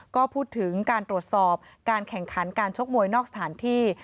ก็พูดถึงการตรวจสอบการแข่งขันการชกมวยนอกสถานที่